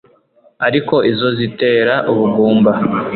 Ariko izo zitera ubugumba